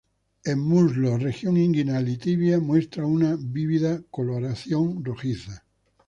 En muslos, región inguinal y tibia muestra una vívida coloración rojiza.